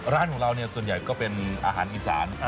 ร้านของเราส่วนใหญ่ก็เป็นอาหารอีสาน